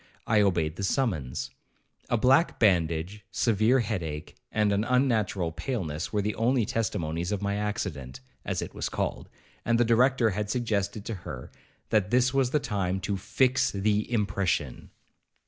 I obeyed the summons. A black bandage, severe head ache, and an unnatural paleness, were the only testimonies of my accident, as it was called; and the Director had suggested to her that this was the time to FIX THE IMPRESSION.